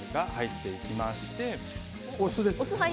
お酢ですね。